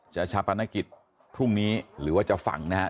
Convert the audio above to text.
ชาปนกิจพรุ่งนี้หรือว่าจะฝังนะครับ